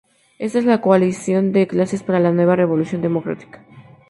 Esta es la coalición de clases para la "Nueva Revolución Democrática".